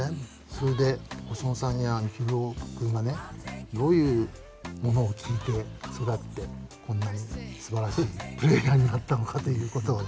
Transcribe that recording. それで細野さんや幸宏君がねどういうものを聴いて育ってこんなにすばらしいプレーヤーになったのかということをね